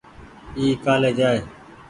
اي ڪآلي جآئي۔